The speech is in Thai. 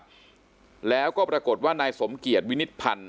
ในวันนั้นอยู่นะครับแล้วก็ปรากฏว่านายสมเกียรติวินิตพันธุ์